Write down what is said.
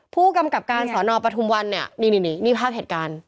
ผู้กำกับการสอนอปทุมวันเนี่ยนี่ภาพเหตุการณ์